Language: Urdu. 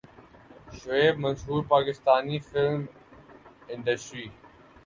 Shoaib Mansoor Pakistani film industry